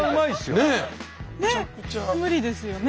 ねっ無理ですよね